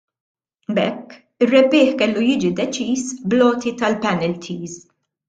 B'hekk ir-rebbieħ kellu jiġi deċiż bl-għoti tal-penalties.